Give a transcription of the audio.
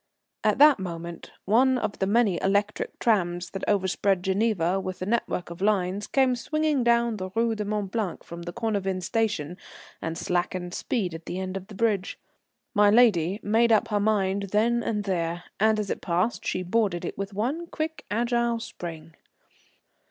At that moment one of the many electric trams that overspread Geneva with a network of lines came swinging down the Rue de Mont Blanc from the Cornavin station, and slackened speed at the end of the bridge. My lady made up her mind then and there, and as it paused she boarded it with one quick, agile spring.